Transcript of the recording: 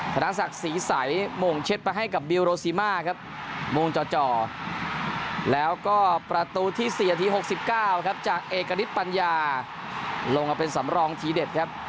ธนศักดิ์ศรีใสมงเช็ดไปให้กับบิลโรซีมาครับโมงจ่อแล้วก็ประตูที่๔นาที๖๙ครับจากเอกณิตปัญญาลงมาเป็นสำรองทีเด็ดครับ